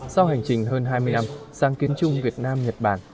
sau hành trình hơn hai mươi năm sáng kiến chung việt nam nhật bản